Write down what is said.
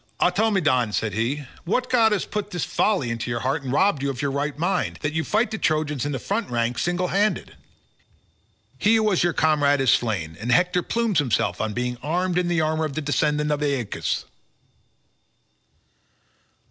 "Automedon," said he, "what god has put this folly into your heart and robbed you of your right mind, that you fight the Trojans in the front rank single handed? He who was your comrade is slain, and Hector plumes himself on being armed in the armour of the descendant of Aeacus."